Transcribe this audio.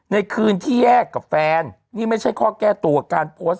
ในคืนที่แยกกับแฟนนี่ไม่ใช่ข้อแก้ตัวการโพสต์